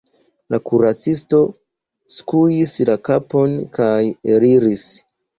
La kuracisto skuis la kapon, kaj eliris.